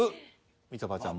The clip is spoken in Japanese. みちょぱちゃん